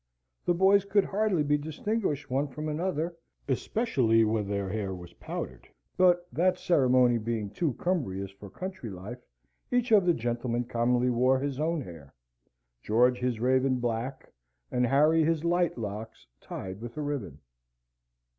The boys could hardly be distinguished one from another, especially when their hair was powdered; but that ceremony being too cumbrous for country life, each of the gentlemen commonly wore his own hair, George his raven black, and Harry his light locks tied with a ribbon.